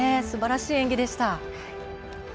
すばらしい演技でした。